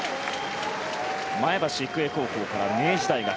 前橋育英高校から明治大学。